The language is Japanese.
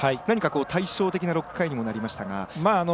対照的な６回にもなりましたが。